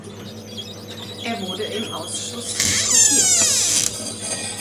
Er wurde im Ausschuss diskutiert.